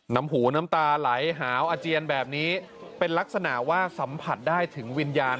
น้ำหูน้ำตาไหลหาวอาเจียนแบบนี้เป็นลักษณะว่าสัมผัสได้ถึงวิญญาณ